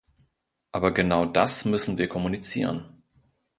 Aber genau das müssen wir kommunizieren.